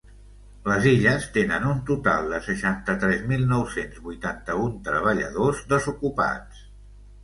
Les Illes tenen un total de seixanta-tres mil nou-cents vuitanta-un treballadors desocupats.